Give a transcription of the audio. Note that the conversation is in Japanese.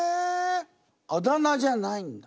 あだ名じゃないんだ。